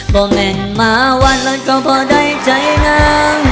บ่แม่งมาวันแล้วก็พอได้ใจงั้ง